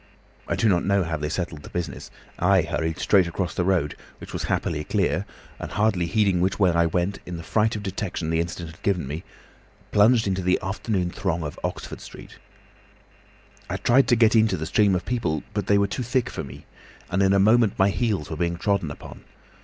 I do not know how they settled the business. I hurried straight across the road, which was happily clear, and hardly heeding which way I went, in the fright of detection the incident had given me, plunged into the afternoon throng of Oxford Street. "I tried to get into the stream of people, but they were too thick for me, and in a moment my heels were being trodden upon.